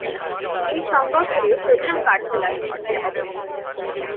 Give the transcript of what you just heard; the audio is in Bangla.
এ সংগঠনের প্রধান কার্যালয় ঢাকায় অবস্থিত।